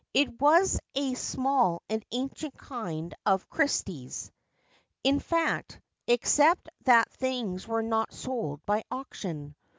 It was a small and ancient kind of Christie's, in fact, except that things were not sold by auction.